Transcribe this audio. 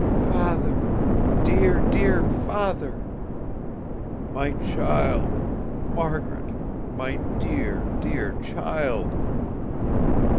"Father! Dear, dear Father!" "My child! Margaret! My dear, dear child!"